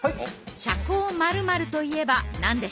社交○○といえば何でしょう？